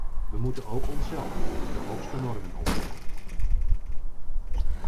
Wij moeten ook onszelf de hoogste normen opleggen.